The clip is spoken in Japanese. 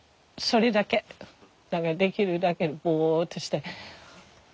だからできるだけぼっとして。